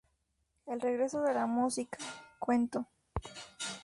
El regreso de la música, Cuento.